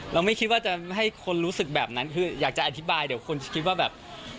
ไม่คิดว่าจะให้คนรู้สึกแบบนั้นคืออยากจะอธิบายเดี๋ยวคนจะคิดว่าแบบ